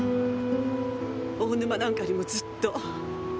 大沼なんかよりもずっと。